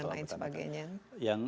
ada macam macam lah kalau kita tanahkan